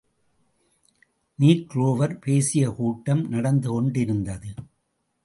நீக்ரோவர் பேசிய கூட்டம் நடந்து கொண்டிருந்தது.